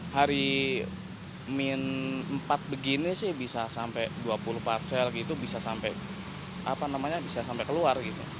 hari min empat begini sih bisa sampai dua puluh parcel gitu bisa sampai keluar gitu